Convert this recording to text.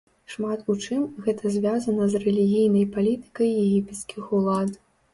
Шмат у чым гэта звязана з рэлігійнай палітыкай егіпецкіх улад.